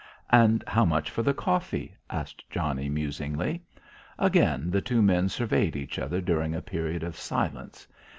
"And how much for the coffee?" asked Johnnie musingly. Again the two men surveyed each other during a period of silence.